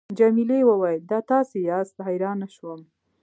جميلې وويل:: دا تاسي یاست، حیرانه شوم.